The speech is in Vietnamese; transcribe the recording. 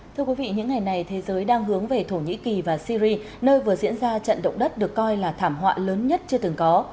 thưa quý vị những ngày này thế giới đang hướng về thổ nhĩ kỳ và syri nơi vừa diễn ra trận động đất được coi là thảm họa lớn nhất chưa từng có